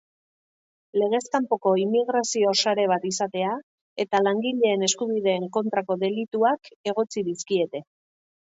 Legez kanpoko immigrazio sare bat izatea eta langileen eskubideen kontrako delituak egotzi dizkiete